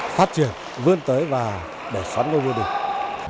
phát triển vươn tới và đẩy xoắn ngôi vua địch